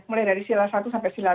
mulai dari sila satu sampai sila